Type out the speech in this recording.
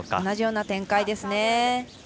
同じような展開ですね。